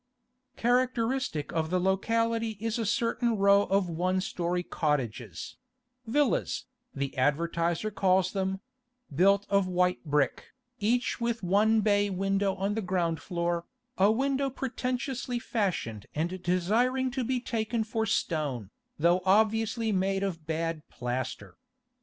Characteristic of the locality is a certain row of one storey cottages—villas, the advertiser calls them—built of white brick, each with one bay window on the ground floor, a window pretentiously fashioned and desiring to be taken for stone, though obviously made of bad plaster.